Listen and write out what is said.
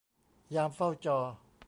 ยามเฝ้าจอ